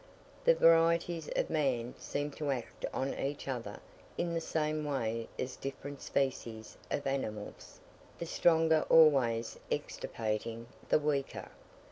The varieties of man seem to act on each other in the same way as different species of animals the stronger always extirpating the weaker.